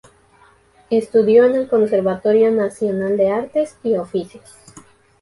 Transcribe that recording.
Estudió en el Conservatorio Nacional de Artes y Oficios.